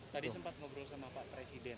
tadi sempat ngobrol sama pak presiden